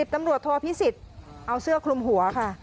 ตำรวจโทษพิสิทธิ์เอาเสื้อคลุมหัวค่ะ